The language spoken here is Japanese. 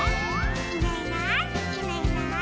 「いないいないいないいない」